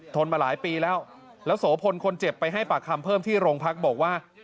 นมาหลายปีแล้วแล้วโสพลคนเจ็บไปให้ปากคำเพิ่มที่โรงพักบอกว่า